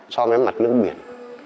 so với mặt nước biển